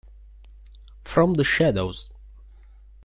From the Shadows